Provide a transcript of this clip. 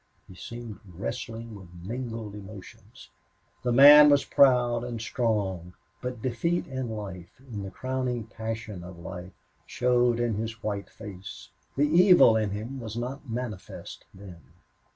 He seemed wrestling with mingled emotions. The man was proud and strong, but defeat in life, in the crowning passion of life, showed in his white face. The evil in him was not manifest then.